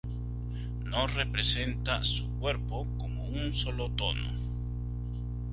No representa "su cuerpo" como un solo tono.